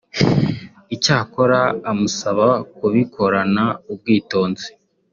icyakora amusaba kubikorana ubwitonzi